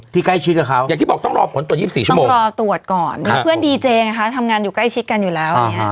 ที่ใกล้ชิดกับเขาต้องรอตรวจก่อนมีเพื่อนดีเจนะคะทำงานใกล้ชิดกันอยู่แล้ว